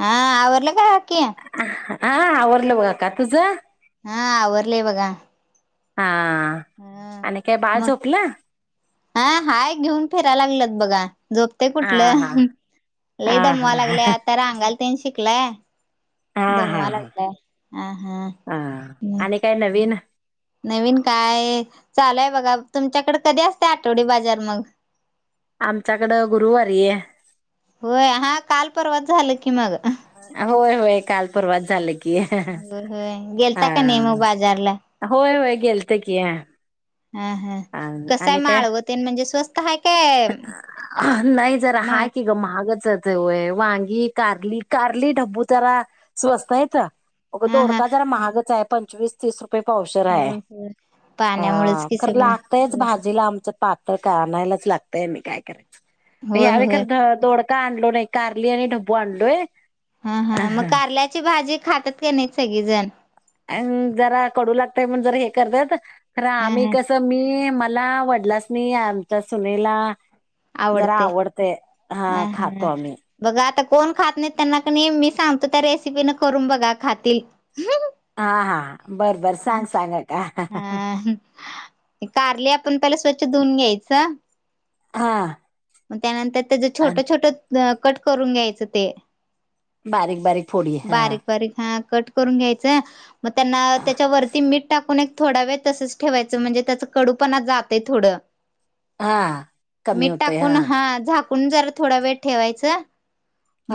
हा आवरल का काकी हा आवरलं बघ अक्का तुझं हा आवरले बघा हा हा आणि काय बाळ मग झोपलं हा हाय घेऊन फिरायला लागल्यात बघा झोपते हा कुठलं हा लइ हा दमवा हा लागले आता रांगाला तीनशे कला हा हा हा हा हा आणि काय नवीन नवीन काय चालूय बघा तुमच्याकडे कधी असते आठवडी बाजार मग आमच्याकडं गुरुवारी आहे होय हा काल परवा झालं की मग होय होय काल परवा झाले होय होय गेलता का ने मग बाजारला गे लत किय हा हा कसय माळवते म्हणजे स्वस्त आहे काय मग वय वांगी कारली कारली ढब्बू जरा स्वस्त आहेेत अग हा हा तोडका जरा महागच आहे पंचवीस तीस पावषर आहे हो हो अ पाण्यामुळेच कि खर सगळं लागतयच भाजीला आमच पाक त का आणयलाच लागतय मी काय कराय होय या एकर होय द दोड का आणलो नाही कारली आणि ढबू आणलोय. हा हा मग कारल्याची भाजी खातात का नाहीत सगळी जण ते पण जर हे करतात. खर हा आम्ही हा कसं मी म मला आवडलास मी आमच्या सुनेला जरा आवडते हा खातो आम्ही बघा आता कोण खात नाही त्यांना कनी मी सांगतो त्या रेसिपी न करून बघा खातील. हा हा बर बर सांग सांग का हा पहिलं स्वच्छ धुवून घ्यायच. हा म त्यानंतर त्याज अन छोटं छोटं ग कट करून घ्यायचं ते बारीक बारीक फोडी हा बारीक बारीक हा कट करून घ्यायचंय. मग त्यांना त्याच्यावरती मीठ टाकून एक थोडा वेळ तसच ठेवायचं म्हणजे त्याच कडू पण जातय थोडं हा, कमी होतय. पुन हा झाक कण जरा थोडा वेळ ठेवायचं.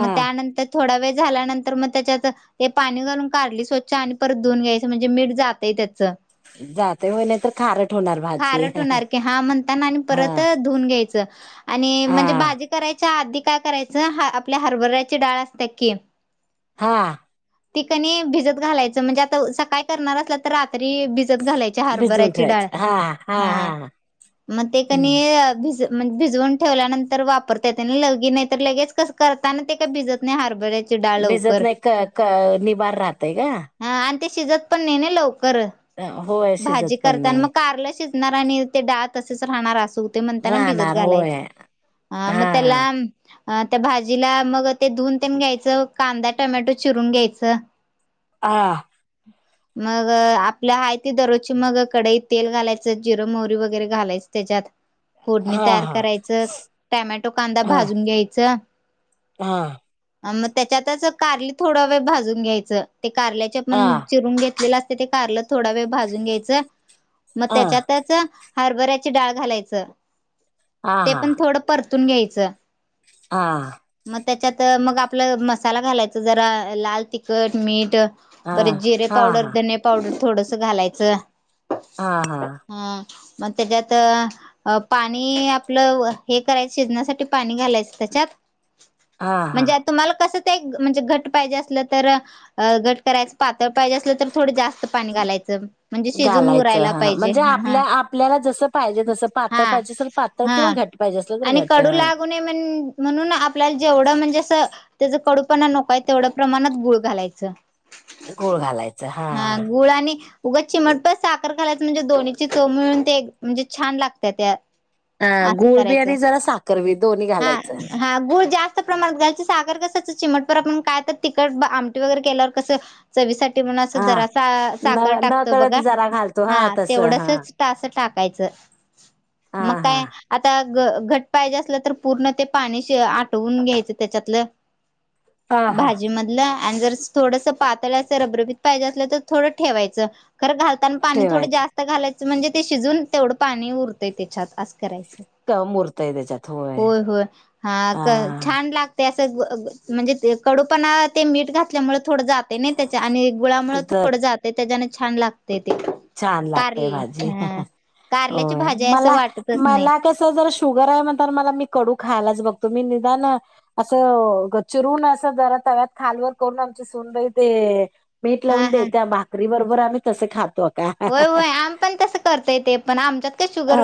म त्यानंतर थोडा वेळ झाल्यानंतर मग त्याच्यात ते पाणी घालून कारली स्वच्छ आणि परत धुऊून घ्यायचं म्हणजे मीठ जातय त्याचं. जातंय होय, नाही तर खारट होणार भाजी खारट होणार हा त आणि अ म्हणजे हा भाजी कराय च्या आधी काय करायचं हा आपली हरभऱ्याची डाळ असते की, हा ती कणी भिजत घालायचं म्हणजे आता सकाळी करणार असला तर रात त्री भिजत घालायची भिजवून हरभऱ्याची डाळ ठेवायचं हा हा म ते कनी हम्म अ भिज मग भिजवून ठेवल्यानंतर वापरता येते न लगे नाही तर लगेच कसं करताना ते काय भिजत नाही हरबरे भिजत नाही क का निबार राहतय का? हा आणि ते शिजत पण नेणे लव कर होय भाजी शिजत पण करतान म नाही कारलं शिजणार आणि ते डाळ तसेच राहणार असू ते म्हणताना भिजत राहणार होय घालायचं. हा, मतेला अ त्या भाजीला मग ते धुन तेन घ्यायचं कांदा टमॅटो चिरून घ्यायचं. हा. मग आपल्या हाय ती दररोजची मग कडईत तेल घालायचं जिरं मोहरी वगैरे घालायचं त्याच्यात फोडणी हा तयार करायचं, टमॅटो कांदा हा भाजून घ्यायचं. हा आण म त्याच्यातच कारली थोडा वेळ भाजून घ्यायचं. ते कारल्याचे हा पण हा चिरून घेतलेलं अस ते कारलं थोडा वेळ भाजून घ्यायचं. म हा त्याच्यातच हरभऱ्याची डाळ घालायचं. हा ते पण हा थोडं पर तून घ्यायचं. हा. मग त्याच्यात मग आपलं मसाला घालायचं जरा लाल तिखट, मीठ. परत जिरे हा पावडर धने पावड थोडसं घालायचं. हा हा. ह मग, त्याच्यात पाणी आपलं हे करायच शिजण्यासाठी पाणी घालायचं त्याच्यात हा हा म्हणजे आता तुम्हाला कस? एक म्हणजे घट पाहिजे असलं, तर घट करायचं पातळ पाहिजे असलं तर थोड जास्त पाणी घालायचं म्हणजे शिजून घालायच उरायला ह पाहिजे म्हणजे हा आपल्या आपल्याला जस पाहिजे तस पातळ हा पाहिजे पात हा आणि कडू लागू नये म्हण म्हणून आपल्याला जेवढं म्हणजे अस [unintelligible] त्याच कडूपणा नकोय तेवढ्या प्रमाणात गुळ घालायचं गुळ घालायचं हा, गुळा आणि उगा चिमटपण साखर घालायचं म्हणजे दोन्हीची चव मिळून ते म्हणजे छान लागतय त्या हं असं गुळ बी करायचं आणि जरा साखर बी दोन्ही हा घालायचं हा गुळ जास्त प्रमाणात घ्याची साखर कस चिमटपर आपण काय तर तिकट आमटी वगैरे केल्यावर कसं चवी साठी म्हणून हा जरा न साखर न टाकतो कळत बघा जरा घालतो हा तस तेवढच अस टाक कायचं हा मग हा काय, आता घट्ट पाहिजे असलं तर पूर्ण ते पाणी आठवून घ्यायचं त्याच्यातलं हा हा भाजीमधलं आणि जर थोडसं पातळचं रबरबीत पाहिजे असलं तर थोडं ठेवायचं खरं घालताना पाणी थोडं ठेवायचं जास्त घालायच म्हणजे ते शिजून तेवढं पाणी उरतंय त्याच्यात करायचं, क मुरतय त्याच्यात होय होय हा छान लाग म्हणजे अस म्हणजे कडूपणा ते मीठ घातल्यामुळे थोडं जाताना त्याच्या गुळामुळं तर थोड जातय त्याज्या छान लाग छान लागतय भाजी कारल्याची होय भाजी असं मला वाटतच नाही मला कस जर शुगर आहे म्हणतान मला मी कडू खायलाच बघते तुम्ही निदान असं ग चिरून असं जरा तव्यात खालवर करून आमची सूनबाई दे मीठ हा लावून दे हा त्या भाकरीबर वर आम्ही तसे खातो होय होय आमी पण तसं करतोय ते पण आमच्या ह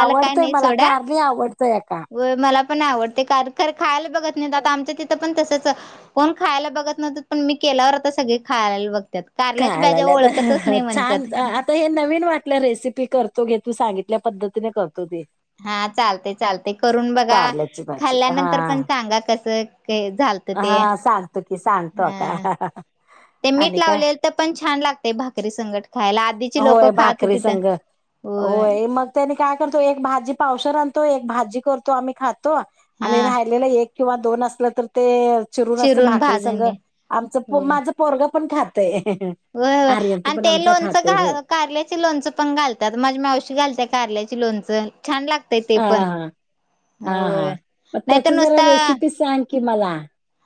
आवडतय मला कारली आवडतय काम होय मला पण आवडतय कर खायला बघत नाही आता आमच्या तिथं पण तस [unintelligible] कोण खायला बघत नव्हतं पण मी केल्यावर तर सगळे खायला बघ कारल्याची खायला भाज्या ओळखतच आता नाही म्हण छान आता हे नवीन वाटल्या रेसिपी करतो. [unintelligible] तू सांगितल्या पद्धतीने कर. हा चालतय, चालतय करून बघा कारल्याची भाजी हा खाल्ल्यानंतर पण सांगा कसं! कय झालतं ते. ते सांगतो का ह ते मीठ आणि काय लावले तर पण छान लागतेय भाकरी संगट खायला आधीची लोक होय खात भाकरी होती तर संघ ‌होय- पावसेर आणतो एक भाजी करतो आम्ही खा- तो आणि हा राहिलेला एक- किंवा दोन असलं तर? ते अं- चिरून असं भाकरी संग भाजून घे आमच होय माझ पोरगं - पण खातय. होय हो आर्यंत आणि पण ते आमचा लोणचं खातोय हो घा कारल्याची लोणचं पण घालतात. माझी मावशी घालत्या कारल्याची लोण - - च. हा हा हा हा होय मग त्याच नाहीतर जरा नुसता रेसिपी सांग की मला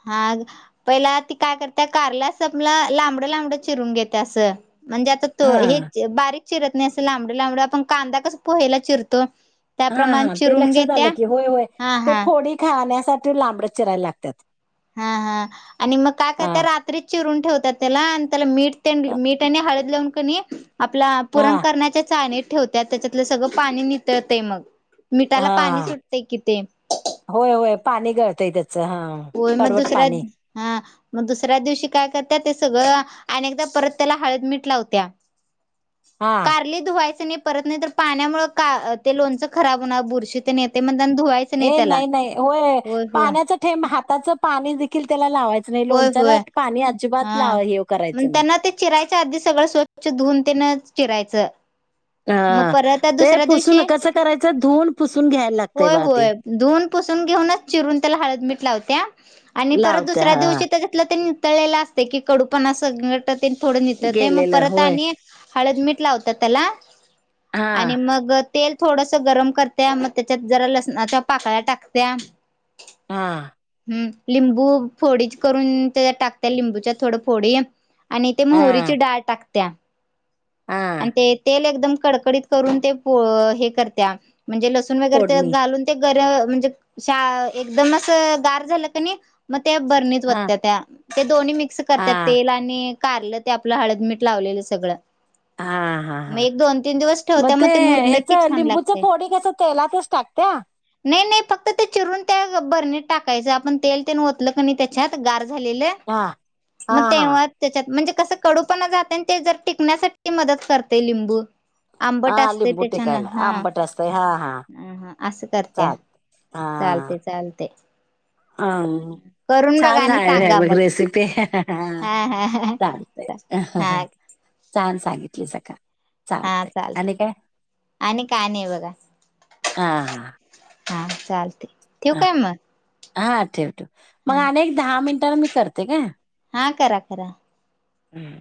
हा पहिला ती काय करत्या कारला संबल लांबडं लांबडं चिरून घेत्या असं. म्हणजे आता तो हां, हेच बारीक चिरत नाही असं लांबड लांबड आपण कांदा कसं पोह्याला चिरतो हा, त्याप्रमाण हा. ते चिरून लक्षात घेत्या आलं की होय होय हा ते हा फोडी खा याला त्यासाठी लांबड चिरायला लागत्यात. हां हां आणि मग काय करते रात्री चिरून ठेवत्यात त्याला अन आणि त्याला मीठ ते मीठ आणि हळद लावून कनी आपला पुरण हां, करण्याच्या चाळणीत ठेवत्यात. तेच्यातल सगळं पाणी नितळतय मग. मिठाला पाणी हा. सुटतय कि ते व्हय व्हय पाणी गळतंय त्येच होय मग दुसऱ्या. हां मग दुसऱ्या दिवशी काय कर त्यात ते सगळं. आणि एकदा परत त्याला हळद मठ लावतीया. हां. कारली धुवायचेनी परत नाही तर पाण्यामुळे का ते लोणचं खराब होणार बुरशी तेन येतय म्हणून. ए नाई नाई. व्हय होय पाण्याचा थेंब हात त्याच पाणी देखील त्येला व्हय व्हय. हां लाव हे मग करायचं नाही. त्यांना ते चिरायच्या आधी सगळं स्वच्छ धुवून त्येन- चिरायचं. मग हां. परत ते दुसऱ्या पुसून दिवशी कसं करायचं? धुवून पुसून घ्यायला लागतंय व्हय बघा ते. व्हय. धुून पुसून घेऊनच चिरून त्याला हळद मीठ लावतीया आणि परत दुस लावत्या दुसऱ्या हां. दिवशी त्याच्याजतलं ते- - तळलेल असतयं की कडूपणा संगट - - तेल थोडं नितळतय मग गेलेलं परत होय. आणि हळद मिट लावत्यात त्याला - - हां, आणि मग - - तेल थोडस गरम करत्या मग त्याच्यात जरा लसणाच्या पाकळ्या टाकत्या. हा. हम् लिंबू - - फोडी करून त्या टाकत्या लिंबूच्या थोड फोडी- - आणि ते मोहरीची हां, डाळ टाकत त्या् हां. आणि ते तेल एकदम कडकडीत करून ते हे करत्या म्हणजे लसून वगरे फोडणी. घालून ते एकदम असं गार झालं कि नाही त्या बर्नीत हां. वत्यात त्या ते दोन्ही मिक्स हा करतात तेल आणि कारलं ते आपलं हळदमीीठ लावलेलं सगळं हा हा हा मग एक दोन तीन दिवस मग ठेवत्या ते मुरलं की ह्याचं छान लिंबूच लागतंय. फोडी कसं तेलातच टाकत्या नाही नाही फक्त ते चिरून त्या भरणीत टाकायच आप तेल तेन ओतल कनी तेच्यात झालेले हा हा मग हा तेव्हा तेच्यात कस कडूपणा जात ते जर टिकण्यासाठी कती मदत करते लिंबू आंबट हा असते लिंबू त्याच्यान टिकायला हा आंबट असतंय हा हा ह असं करत्या चाल चालते चालते ह करून बघा छान आणि झालय सांगा बघ मग रेसिपी हा हा हा चाल हा छान सांगितले सगळ का हा चालत आणि का नाही बघा हा हा हां चालते ठेऊ हा काय मग हा ठेव ठेव. मग हा अनेक एक दहा मिनिट. नंतर मी करते काय? हा करा करा. हम्म